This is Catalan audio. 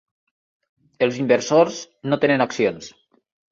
Els inversors no tenen accions.